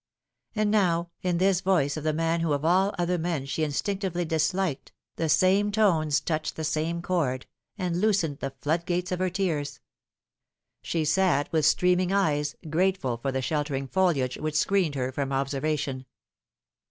And now, in this voice of the man who of all other men she in stinctively disliked, the same tones touched the same chord, and loosened the floodgates of her tears. She sat with streaming eyes, grateful for the sheltering foliage which screened her from observation.